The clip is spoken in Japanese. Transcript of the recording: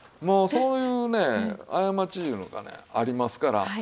もうそういうね過ちいうのがありますから。